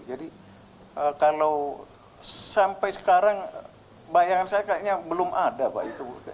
jadi kalau sampai sekarang bayangan saya kayaknya belum ada pak